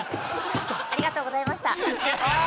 ありがとうございましたあ！